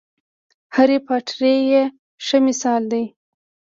هرې پاټر یې ښه مثال دی.